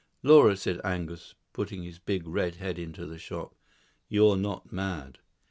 "Laura," said Angus, putting his big red head into the shop, "you're not mad."